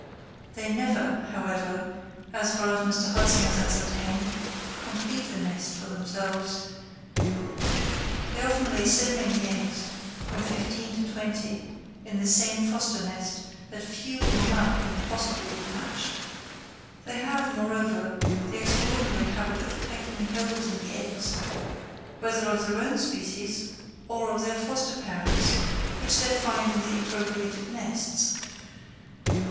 They never, however, as far as Mr. Hudson has ascertained, complete a nest for themselves. They often lay so many eggs—from fifteen to twenty—in the same foster nest, that few or none can possibly be hatched. They have, moreover, the extraordinary habit of pecking holes in the eggs, whether of their own species or of their foster parents, which they find in the appropriated nests.